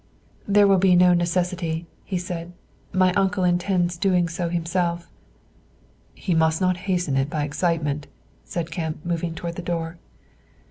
"There will be no necessity," he said; "my uncle intends doing so himself." "He must not hasten it by excitement," said Kemp, moving toward the door.